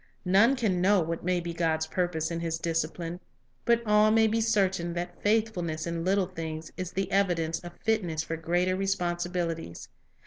None can know what may be a Lesson God's purpose in His discipline; but all may be certain that faithfulness in little things is the evidence of fitness for greater responsibilities.